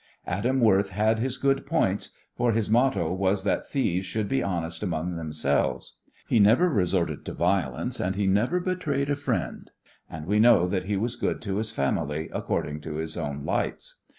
Adam Worth had his good points, for his motto was that thieves should be honest amongst themselves. He never resorted to violence, and he never betrayed a friend, and we know that he was good to his family according to his own lights.